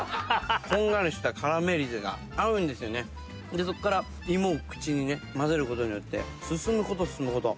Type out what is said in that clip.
でそこから芋を口にねまぜることによって進むこと進むこと。